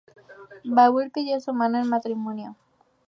Babur pidió su mano en matrimonio.